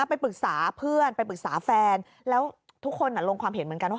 ไปปรึกษาเพื่อนไปปรึกษาแฟนแล้วทุกคนลงความเห็นเหมือนกันว่า